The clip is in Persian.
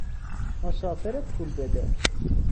مسافر پول بده